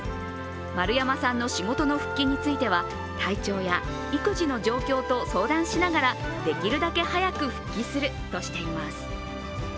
丸山さんの仕事の復帰については体調や育児の状況と相談しながらできるだけ早く復帰するとしています。